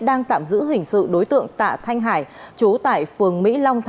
đang tạm giữ hình sự đối tượng tạ thanh hải chú tại phường mỹ long